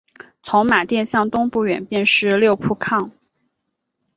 从马甸向东不远便是六铺炕。